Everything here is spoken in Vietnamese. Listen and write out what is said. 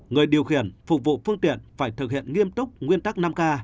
người điều khiển phục vụ phương tiện phải thực hiện nghiêm túc nguyên tắc năm k